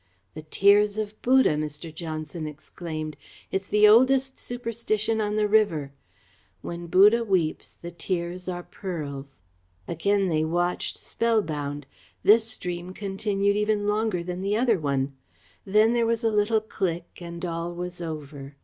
"The tears of Buddha," Mr. Johnson exclaimed. "It's the oldest superstition on the river. 'When Buddha weeps, the tears are pearls.'" Again they watched, spellbound. This stream continued even longer than the other one. Then there was a little click and all was over.